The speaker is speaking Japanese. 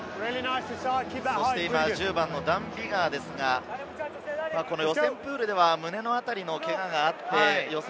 １０番のダン・ビガー、予選プールでは胸の辺りのけががあって予選